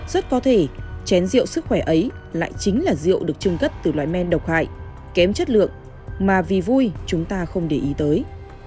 rất có thể chén rượu sức khỏe ấy lại chính là rượu được trưng cất từ loài men độc hại kém chất lượng mà vì vui chúng ta không để ý tới